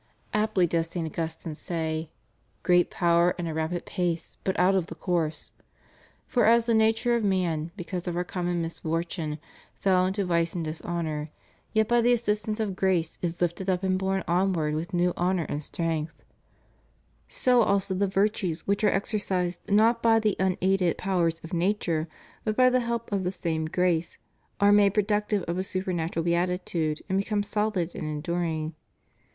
Aptly does St. Augustine say: "Great power, and a rapid pace, but out of the course." ^ For as the nature of man, because of our common misfortune, fell into vice and dishonor, yet by the assistance of grace is lifted up and borne onward with new honor and strength; so also the virtues which are exercised not by the unaided powers of nature, but by the help of the same grace, are made productive of a supernatural beatitude and become solid and enduring.